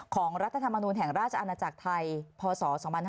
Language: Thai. รัฐธรรมนูลแห่งราชอาณาจักรไทยพศ๒๕๕๙